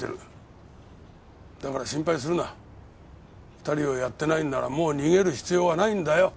２人をやってないんならもう逃げる必要はないんだよ。